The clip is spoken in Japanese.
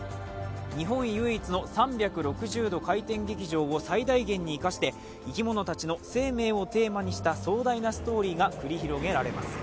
日本唯一の３６０度回転劇場を最大限に生かして、生き物たちの声明をテーマにした壮大なストーリーが繰り広げられます